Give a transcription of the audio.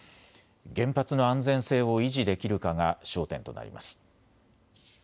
原発の安全性を維持できるかが焦点となります。